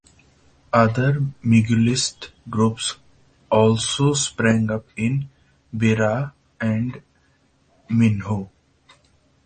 Other miguelist groups also sprang up in Beira and Minho.